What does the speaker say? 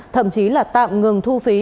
thậm chí là tạm ngừng thu phí